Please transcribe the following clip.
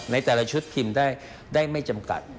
ในแต่ละชุดพิมพ์ได้ไม่จำกัด